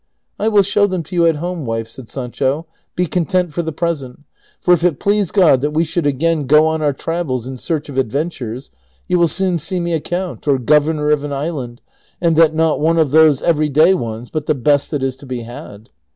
"■ I will show them to you at home, wife," said Sancho ;" be content for the present ; for if it please God that we should again go on our travels in search of adventures, you will soon see me a count, or governor of an island, and that not one of those every day ones, but the best that is to be had."